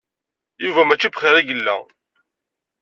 Yuba mačči bxir i yella.